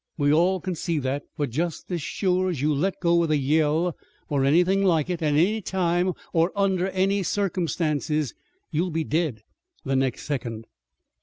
We all can see that, but just as shore as you let go with a yell or anything like it at any time or under any circumstances, you'll be dead the next second."